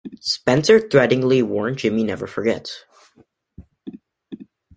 Spencer threateningly warned Jimmy never forgets.